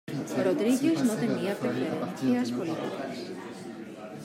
Rodríguez no tenía preferencias políticas.